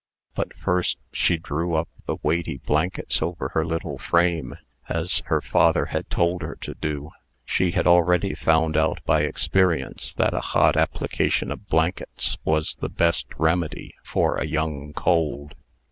But, first, she drew up the weighty blankets over her little frame, as her father had told her to do. She had already found out by experience, that a hot application of blankets was the best remedy for a young cold.